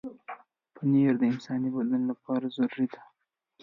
پنېر د انساني بدن لپاره ضروري دی.